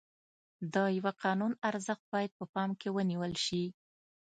د یوه قانون ارزښت باید په پام کې ونیول شي.